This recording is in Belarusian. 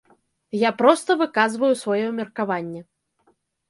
Я проста выказваю сваё меркаванне.